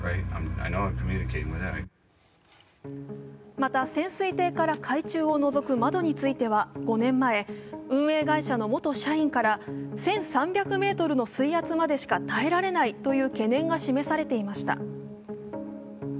また、潜水艇から海中をのぞく窓については５年前、運営会社の元社員から１３００ｍの水圧までしか耐えられないという懸念が示されていました。